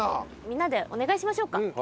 みんなでお願いしましょうか。